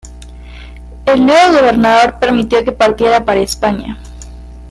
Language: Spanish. El nuevo gobernador permitió que partiera para España.